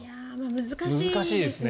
難しいですね。